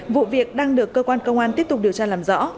vụ việc đang được cơ quan công an tiếp tục điều tra làm rõ